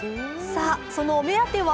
さあ、そのお目当ては？